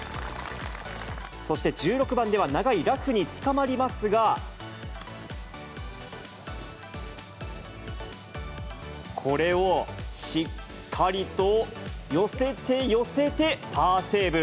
そして１６番では、長いラフにつかまりますが、これをしっかりと寄せて寄せて、パーセーブ。